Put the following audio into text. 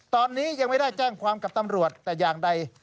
ตอนนี้ยังไม่ได้แจ้งความกับตำรวจแต่อย่างใด